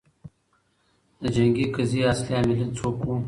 د جنګي قضیې اصلي عاملین څوک وو؟